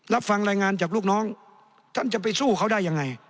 รับฟังรายงานจากลูกน้องท่านจะไปสู้เขาได้ยังไง